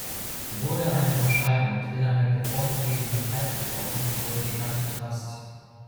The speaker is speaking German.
Wurde eine Entscheidung nicht innerhalb der vorgegebenen Zeit getroffen, wurde die Hand gepasst.